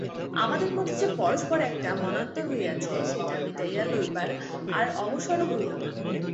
আমাদের মধ্যে যে পরস্পর একটা মনান্তর হইয়াছে সেটা মিটাইয়া লইবার আর অবসরও হইল না।